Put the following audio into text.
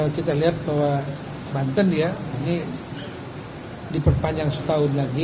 kita lihat bahwa banten ya ini diperpanjang setahun lagi